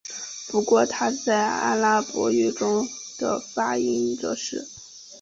不过它在阿拉伯语中的发音则是。